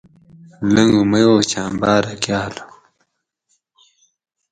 لنگو میو چھاۤں باۤرہ کاۤلہ